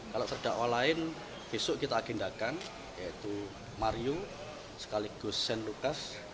kalau terdakwa lain besok kita agendakan yaitu mario sekaligus shane lucas